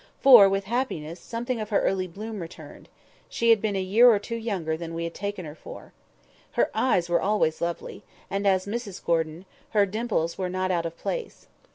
For, with happiness, something of her early bloom returned; she had been a year or two younger than we had taken her for. Her eyes were always lovely, and, as Mrs Gordon, her dimples were not out of place.